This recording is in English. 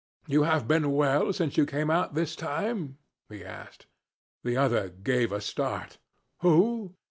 'You have been well since you came out this time?' he asked. The other gave a start. 'Who?